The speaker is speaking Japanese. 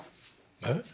えっ？